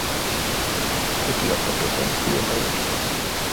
এটি অত্যন্ত জনপ্রিয় হয়ে ওঠে।